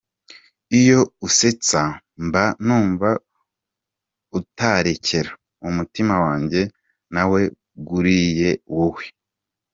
Iyo usetse mba numva utarekera Umutima wanjye naweguriye wowe.